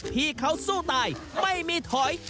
ที่เขาสู้ตายไม่มีถอย